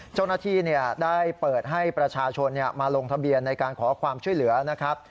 เจ้าหน้าที่ได้เปิดให้ประชาชนมาลงทะเบียนในการขอความช่วยเหลือนะครับ